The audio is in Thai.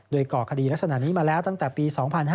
โดยก่อคดีลักษณะนี้มาแล้วตั้งแต่ปี๒๕๕๙